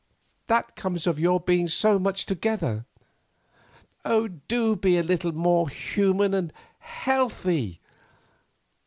That comes of your being so much together. Do be a little more human and healthy.